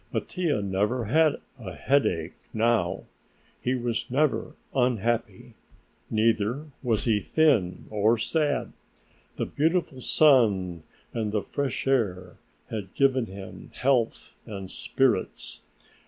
Mattia never had a headache now. He was never unhappy, neither was he thin or sad. The beautiful sun and the fresh air had given him health and spirits.